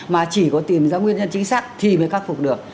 mà chỉ có tìm ra nguyên nhân chính xác thì mới khắc phục được